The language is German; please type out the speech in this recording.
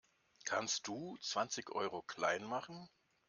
Kannst du zwanzig Euro klein machen?